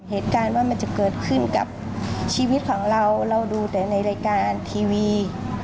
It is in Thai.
เหตุการณ์ว่ามันจะเกิดขึ้นกับชีวิตของเราเราดูแต่ในรายการทีวี